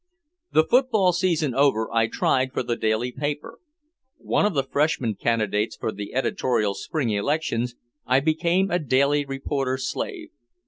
The football season over, I tried for the daily paper. One of the freshman candidates for the editorial Spring elections, I became a daily reporter slave.